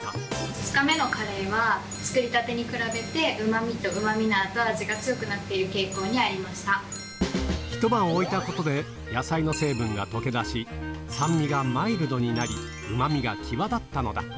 ２日目のカレーは、作りたてに比べてうまみとうまみの後味が強くなっている傾向にあ一晩置いたことで野菜の成分が溶け出し、酸味がマイルドになり、うまみが際立ったのだ。